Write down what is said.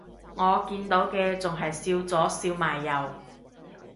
我見到嘅仲係笑咗笑埋右